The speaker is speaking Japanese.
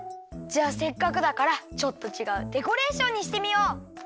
じゃあせっかくだからちょっとちがうデコレーションにしてみよう！